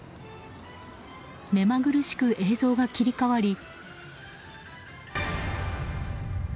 目まぐるしく映像が切り替わり。